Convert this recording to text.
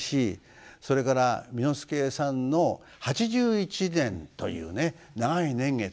それから簑助さんの８１年というね長い年月。